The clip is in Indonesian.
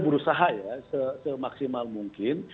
berusaha ya semaksimal mungkin